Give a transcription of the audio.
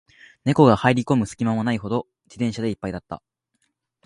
猫が入る込む隙間もないほど、自転車で一杯だった